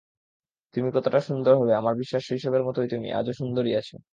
তুমি কতটা সুন্দর হবে, আমার বিশ্বাস শৈশবের মতোই তুমি, আজও সুন্দরই আছো।